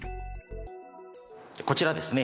こちらですね